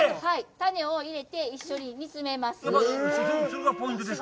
種を一緒に煮詰めます。